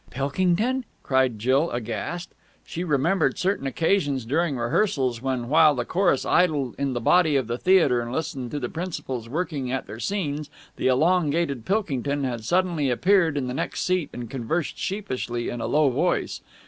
"Pilkington!" cried Jill aghast. She remembered certain occasions during rehearsals, when, while the chorus idled in the body of the theatre and listened to the principals working at their scenes, the elongated Pilkington had suddenly appeared in the next seat and conversed sheepishly in a low voice.